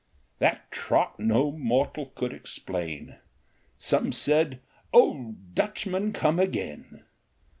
That trot no mortal could explain ; Some said, " Old Dutchman come again